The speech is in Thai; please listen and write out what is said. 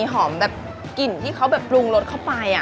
หอมแบบกลิ่นที่เขาแบบปรุงรสเข้าไป